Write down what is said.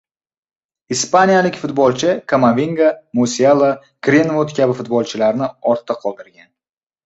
Ispaniyalik futbolchi Kamavinga, Musiala, Grinvud kabi futbolchilarni ortda qoldirgan